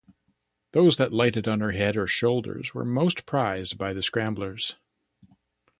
Those that lighted on her head or shoulders were most prized by the scramblers.